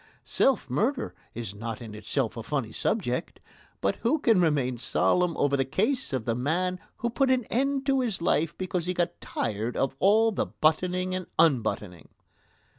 Self murder is not in itself a funny subject, but who can remain solemn over the case of the man who put an end to his life because he got tired of all the buttoning and unbuttoning.